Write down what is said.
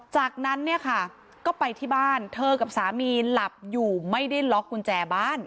จากนั้นเนี่ยค่ะก็ไปที่บ้านเธอกับสามีหลับอยู่ไม่ได้ล็อกกุญแจบ้าน